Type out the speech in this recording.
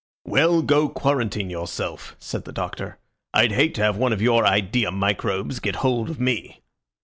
"Well, go quarantine yourself," said the Doctor. "I'd hate to have one of your idea microbes get hold of me."